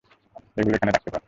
ওগুলো এখানে রাখতে পারো।